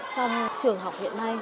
trong trường học hiện nay